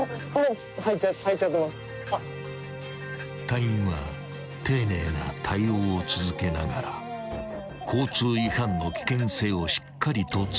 ［隊員は丁寧な対応を続けながら交通違反の危険性をしっかりと伝える］